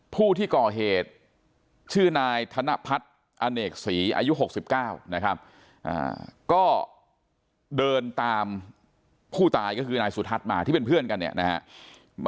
ผู้ที่ก่อเหตุชื่อนายธนพัฒน์อเนกศรีอายุ๖๙นะครับก็เดินตามผู้ตายก็คือนายสุทัศน์มาที่เป็นเพื่อนกันเนี่ยนะฮะ